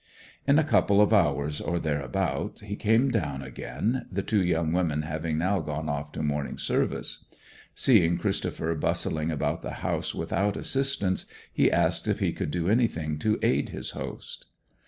In a couple of hours or thereabout he came down again, the two young women having now gone off to morning service. Seeing Christopher bustling about the house without assistance, he asked if he could do anything to aid his host.